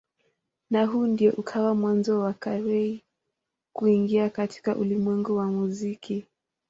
Na huu ndio ukawa mwanzo wa Carey kuingia katika ulimwengu wa muziki.